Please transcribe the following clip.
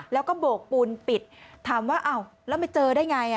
แล้วก็โบกปูนปิดถามว่าอ้าวแล้วมาเจอได้ไง